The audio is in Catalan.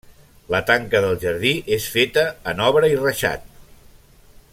La tanca del jardí és feta en obra i reixat.